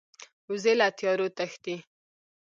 وزې له تیارو تښتي